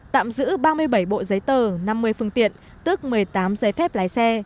tạm giữ ba mươi bảy bộ giấy tờ năm mươi phương tiện tức một mươi tám giấy phép lái xe